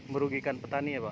merugikan petani ya pak